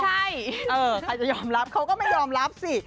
ใช่ใครจะยอมรับเขาก็ไม่ยอมรับสิ